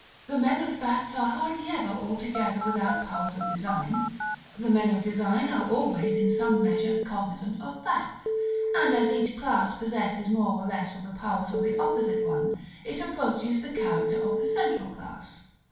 The men of facts are hardly ever altogether without powers of design; the men of design are always in some measure cognizant of facts; and as each class possesses more or less of the powers of the opposite one, it approaches to the character of the central class.